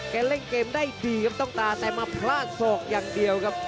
เล่นเกมได้ดีครับต้องตาแต่มาพลาดศอกอย่างเดียวครับ